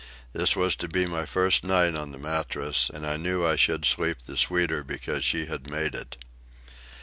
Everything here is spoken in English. This was to be my first night on the mattress, and I knew I should sleep the sweeter because she had made it.